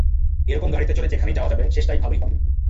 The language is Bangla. এরকম গাড়িতে চড়ে যেখানেই যাওয়া যাবে শেষটাই ভালোই হবে।